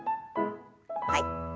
はい。